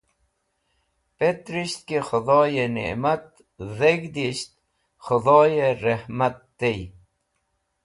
Petrisht ki Khudoye Nimat, Dheg̃hdisht k̃hudhoye Rahmat tey.